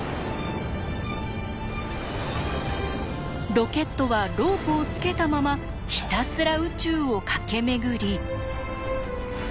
ロケットはロープをつけたままひたすら宇宙を駆け巡り。